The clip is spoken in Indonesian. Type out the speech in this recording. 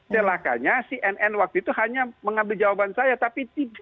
telakanya si nn waktu itu hanya mengambil jawaban saya tapi tidak